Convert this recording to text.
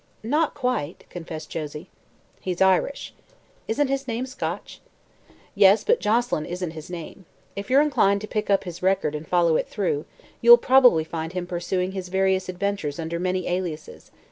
"Not quite," confessed Josie. "He's Irish." "Isn't his name Scotch?" "Yes, but Joselyn isn't his name. If you're inclined to pick up his record and follow it through, you'll probably find him pursuing his various adventures under many aliases.